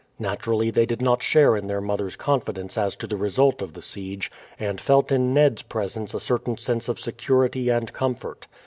Naturally they did not share in their mother's confidence as to the result of the siege, and felt in Ned's presence a certain sense of security and comfort.